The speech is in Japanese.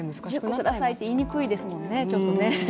くださいって言いにくいですもんね。